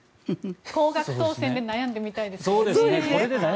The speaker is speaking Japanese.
高額当選で悩んでみたいですね。